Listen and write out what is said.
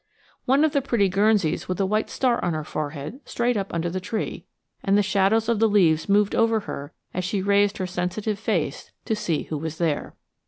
One of the pretty Guernseys with a white star in her forehead strayed up under the tree, and the shadows of the leaves moved over her as she raised her sensitive face to see who was there.